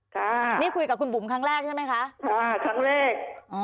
ค่ะนี่คุยกับคุณบุ๋มครั้งแรกใช่ไหมคะอ่าครั้งแรก